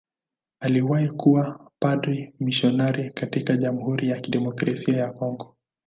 Aliwahi kuwa padri mmisionari katika Jamhuri ya Kidemokrasia ya Kongo.